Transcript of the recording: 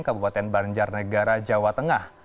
kabupaten banjarnegara jawa tengah